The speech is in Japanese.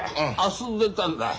遊んでたんだよ。